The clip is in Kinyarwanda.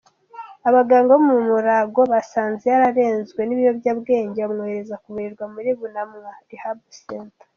Abaganga bo muri Mulago basanze yararenzwe n’ibiyobyabwenge bamwohereza kuvurirwa muri Bunamwaya Rehab Centre.